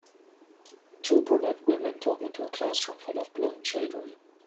Two brunette women talking to a classroom full of blond children.